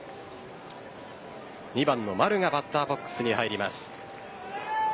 ２番の丸がバッターボックスに入ります。